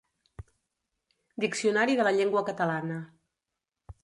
Diccionari de la Llengua Catalana.